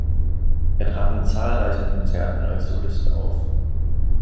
Er trat in zahlreichen Konzerten als Solist auf.